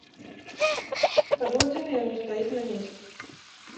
Стагоддзямі яно стаіць на месцы.